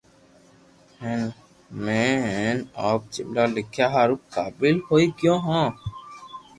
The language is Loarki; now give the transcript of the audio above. ھين ھئمي ھين آپ جملا لکيا ھارو قابل ھوئي گيو ھون